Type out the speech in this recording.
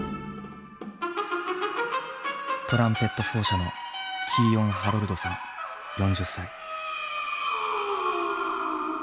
トランペット奏者のキーヨン・ハロルドさん４０歳。